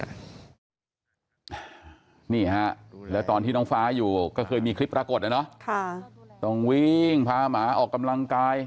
นี่ฮะแล้วตอนที่น้องฟ้าอยู่ก็เคยมีคลิปปรากฏนะเนาะต้องวิ่งพาหมาออกกำลังกาย